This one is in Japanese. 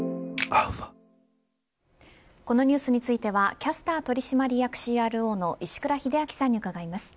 このニュースについてはキャスター取締役ＣＲＯの石倉秀明さんに伺います。